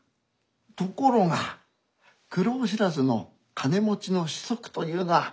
ところが苦労知らずの金持ちの子息というのはいけませんな。